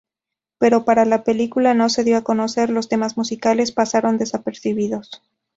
Pero para la película no se dio a conocer, los temas musicales pasaron desapercibidos.